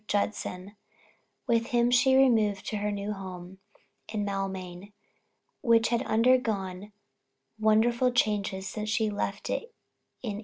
Judson With him she removed to her new home in Maulmain, which had undergone wonderful changes since she left it in 1828.